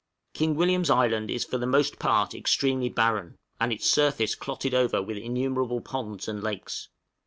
King William's Island is for the most part extremely barren, and its surface clotted over with innumerable ponds and lakes.